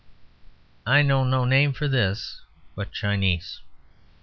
I know no name for this but Chinese.